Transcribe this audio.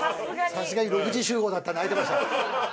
さすがに６時集合だったんで空いてました。